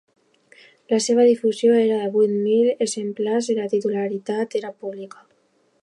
La seva difusió era de vuit mil exemplars i la titularitat era pública.